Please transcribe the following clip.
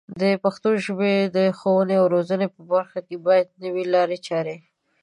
د پښتو ژبې د ښوونې او روزنې په برخه کې باید نوې لارې چارې